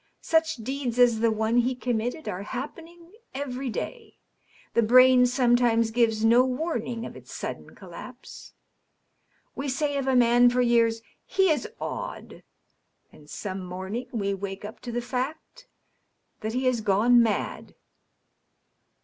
Such deeds as the one he committed are happening every day. The brain sometimes gives no warning of its sudden collapse. We say of a man for years, * he is odd,' and some morning we wake up to the fact that he has gone mad.